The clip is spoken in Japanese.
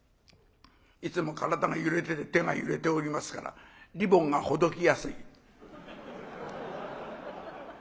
いつも体が揺れてて手が揺れておりますからリボンがほどきやすい。